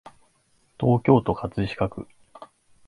東京都葛飾区